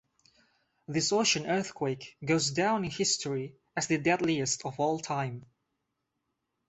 This ocean earthquake goes down in history as the deadliest of all time.